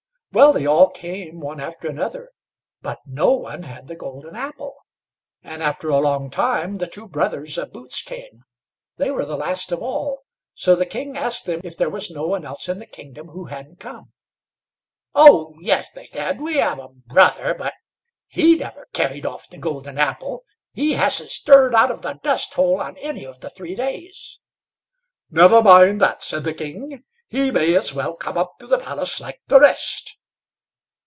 Well, they all came one after another, but no one had the golden apple, and after a long time the two brothers of Boots came. They were the last of all, so the king asked them if there was no one else in the kingdom who hadn't come. "Oh, yes," said they; "we have a brother, but he never carried off the golden apple. He hasn't stirred out of the dusthole on any of the three days." "Never mind that," said the king; "he may as well come up to the palace like the rest."